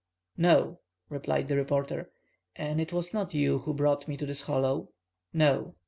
"No," replied the reporter. "And it was not you who brought me to this hollow?" "No."